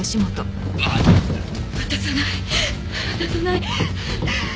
渡さない渡さない！